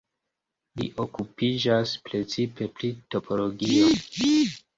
Li okupiĝas precipe pri topologio.